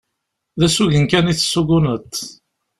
D asugen kan i tessuguneḍ.